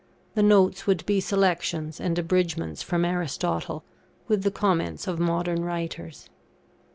The notes would be selections and abridgments from Aristotle, with the comments of modern writers.